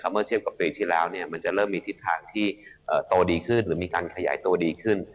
เมื่อเทียบกับปีที่แล้วมันจะเริ่มมีทิศทางที่โตดีขึ้นหรือมีการขยายตัวดีขึ้น